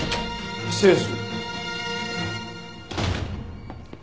失礼する。